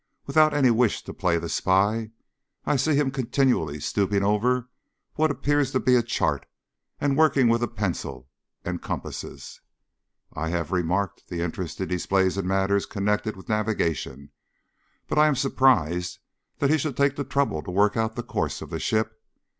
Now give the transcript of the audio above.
Without any wish to play the spy, I see him continually stooping over what appears to be a chart and working with a pencil and compasses. I have remarked the interest he displays in matters connected with navigation, but I am surprised that he should take the trouble to work out the course of the ship.